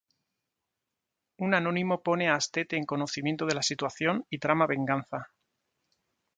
Un anónimo pone a Astete en conocimiento de la situación y trama venganza.